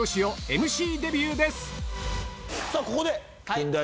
さぁここで。